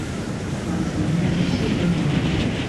有錢不如俾啲我吖